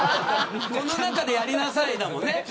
この中でやりなさいだもんね。